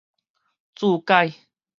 註解